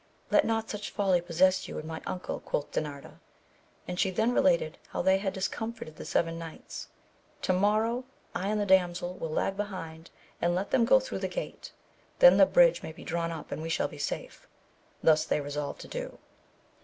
Let not such folly possess you and my^uncle, quoth Dinarda, and she then related how they had discomfited the seven knights. To morrow I and the damsel will lag behind, and let them go through the gate, then the bridge may be drawn up, and we shall be safe. Thus they resolved to do.